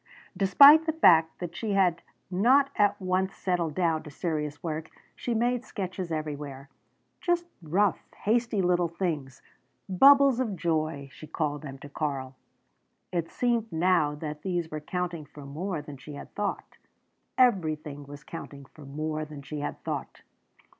Despite the fact that she had not at once settled down to serious work, she made sketches everywhere, just rough, hasty little things "bubbles of joy" she called them to Karl. It seemed now that these were counting for more than she had thought. Everything was counting for more than she had thought!